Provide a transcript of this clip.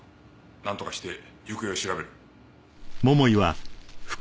なんとかして行方を調べる。